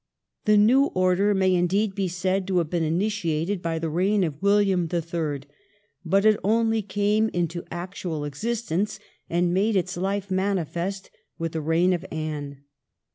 The new order may indeed be said to have been initiated by the reign of William the Third, but it only came into actual existence and made its life manifest with the reign of Anne.